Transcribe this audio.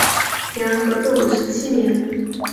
两人合作为时七年。